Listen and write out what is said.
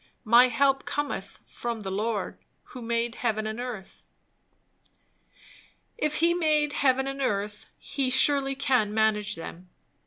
My help cometh from the Lord, who made heaven and earth." If he made heaven and earth, he surely can manage them.